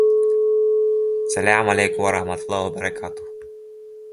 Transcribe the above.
The south of the Enz district covers the northern part of the Black Forest.